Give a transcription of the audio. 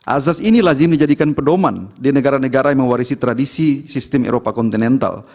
azas ini lazim dijadikan pedoman di negara negara yang mewarisi tradisi sistem eropa kontinental